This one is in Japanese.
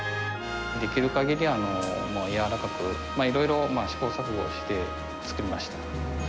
できるかぎり柔らかく、いろいろ試行錯誤して作りました。